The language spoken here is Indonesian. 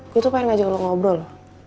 gue tuh pengen ngajak lo ngobrol